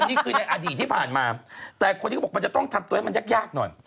นี่คือในอดีตที่ผ่านมาแต่คนที่เขาบอกมันจะต้องทำตัวให้มันยากหน่อย